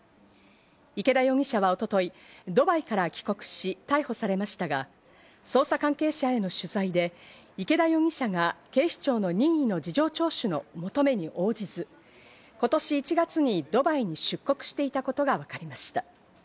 池田容疑者は一昨日、ドバイから帰国し逮捕されましたが、捜査関係者への取材で、池田容疑者が警視庁の任意の事情聴取の求めに応じず、今年１月にドバイに出国していたことが分かりました。